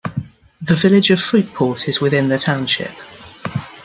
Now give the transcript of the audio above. The village of Fruitport is within the township.